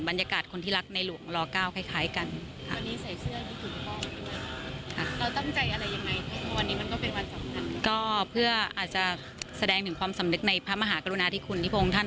พระองค์ไม่ได้ไปไหนและอยู่ในใจคนไทยทุกคน